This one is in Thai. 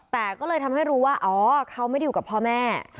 แต่ก็เลยทำให้รู้ว่าอ๋อเขาไม่ได้อยู่กับพ่อแม่